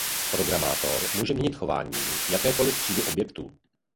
Programátor může měnit chování jakékoli třídy objektů.